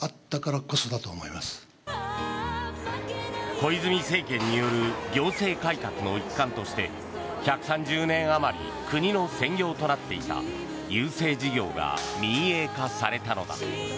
小泉政権による行政改革の一環として１３０年あまり国の専業となっていた郵政事業が民営化されたのだ。